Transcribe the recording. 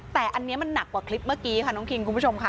แต่อันนี้มันหนักกว่าคลิปเมื่อกี้ค่ะน้องคิงคุณผู้ชมค่ะ